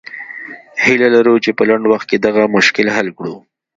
هیله لرو چې په لنډ وخت کې دغه مشکل حل کړو.